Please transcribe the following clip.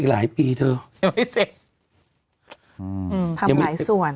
หลายปีเธอยังไม่เสร็จอืมทำหลายส่วน